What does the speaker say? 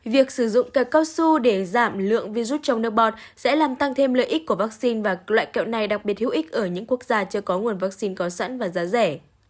việc sử dụng cài cao su để giảm lượng virus trong nước bọt sẽ làm tăng thêm lợi ích của vaccine và loại kẹo này đặc biệt hữu ích ở những quốc gia chưa có nguồn vaccine có sẵn và giá rẻ